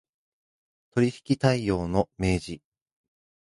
取引態様の明示